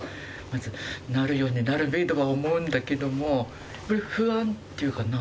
「なるようになるべ」とは思うんだけども不安っていうかな